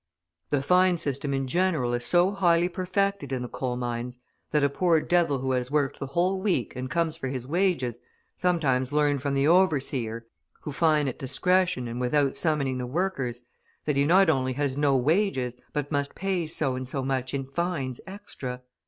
The fine system in general is so highly perfected in the coal mines, that a poor devil who has worked the whole week and comes for his wages, sometimes learns from the overseer, who fine at discretion and without summoning the workers, that he not only has no wages but must pay so and so much in fines extra!